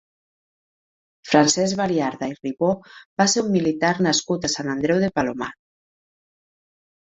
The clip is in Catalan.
Francesc Baliarda i Ribó va ser un militar nascut a Sant Andreu de Palomar.